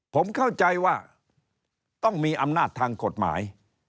ผมเข้าใจว่าต้องมีอำนาจทางกฎหมาย